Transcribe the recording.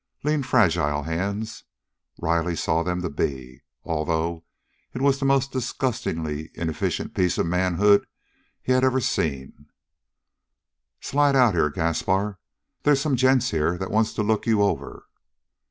Lean, fragile hands, Riley saw them to be. Altogether it was the most disgustingly inefficient piece of manhood that he had ever seen. "Slide out here, Gaspar. They's some gents here that wants to look you over."